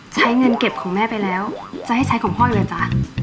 ใช้เงินเก็บของแม่ไปแล้วจะให้ใช้ของพ่ออยู่เลยจ๊ะ